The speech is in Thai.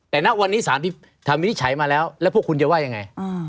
แต่ณวันนี้สารทำวินิจฉัยมาแล้วแล้วพวกคุณจะว่ายังไง